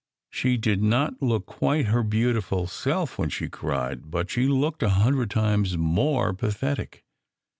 She did not look quite her beautiful self when she cried, but she looked a hundred times more pathetic.